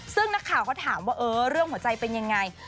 ซึ่งนักข่าวก็ถามว่าเออเรื่องหัวใจเป็นยังไง